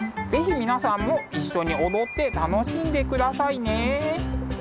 是非皆さんも一緒に踊って楽しんでくださいね！